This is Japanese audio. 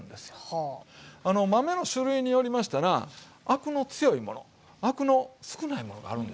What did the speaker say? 豆の種類によりましたらアクの強いものアクの少ないものがあるんですよ。